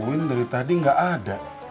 kamu bisa tetap bersama america